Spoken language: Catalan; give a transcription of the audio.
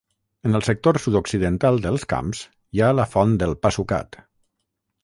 En el sector sud-occidental dels camps hi ha la Font del Pa Sucat.